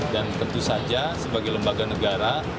dan tentu saja sebagai lembaga negara